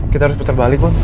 kita harus putar balik bang